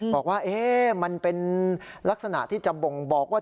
บอกว่ามันเป็นลักษณะที่จะบ่งบอกว่า